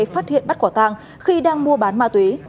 phát hiện bắt quả tang khi đang mua bán ma túy